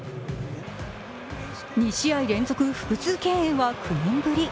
２試合連続複数敬遠は９年ぶり。